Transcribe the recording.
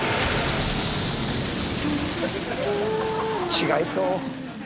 違いそう。